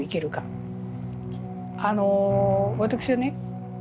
あの私はね